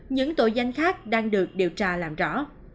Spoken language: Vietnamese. những tội danh khác đang được điều tra làm rõ